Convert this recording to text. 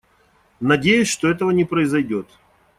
Надеюсь, что этого не произойдет.